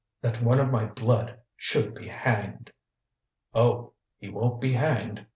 That one of my blood should be hanged!" "Oh, he won't be hanged!"